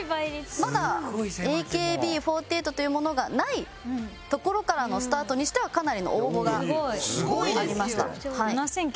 まだＡＫＢ４８というものがないところからのスタートにしてはかなりの応募がありました。